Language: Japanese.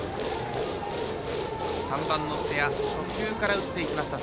３番の瀬谷初球から打っていきました。